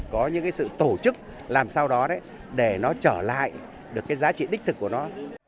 có những sự tổ chức làm sao đó để nó trở lại được giá trị đích thực của nó